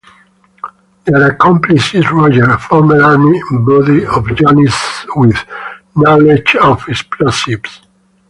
Their accomplice is Roger, a former Army buddy of Johnny's with knowledge of explosives.